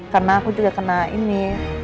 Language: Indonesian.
karena aku juga kena ini